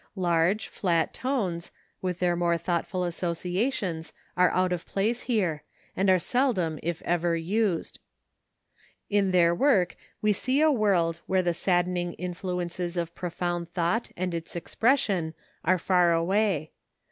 Large, flat tones, with their more thoughtful associations are out of place here, and are seldom if ever used. In their work we see a world where the saddening influences of profound thought and its expression are far away.